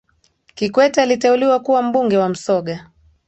kikwete aliteuliwa kuwa mbunge wa msoga